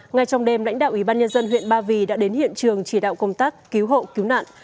ngay trong đêm lãnh đạo ủy ban nhân dân huyện ba vì đã đến hiện trường chỉ đạo công tác cứu hộ cứu nạn